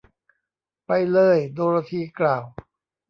ไปเลย ! โดโรธีกล่าว